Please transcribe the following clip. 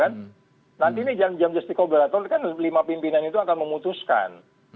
nanti jam jam jasis kolaborator kan lima pimpinan itu akan memutuskan